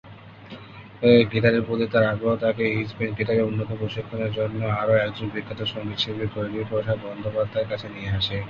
গিটারের প্রতি তার আগ্রহ তাকে স্প্যানিশ গিটারের উন্নত প্রশিক্ষণের জন্য আরও একজন বিখ্যাত সংগীতশিল্পী গৌরী প্রসাদ বন্দ্যোপাধ্যায়ের কাছে নিয়ে আসে।